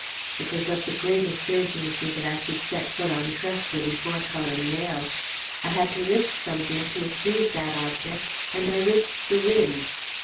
It was of the greatest urgency that I should set foot on Tresco before Cullen Mayle. I had to risk something to achieve that object, and I risked the wind.